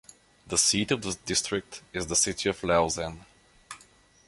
The seat of the district is the city of Lausanne.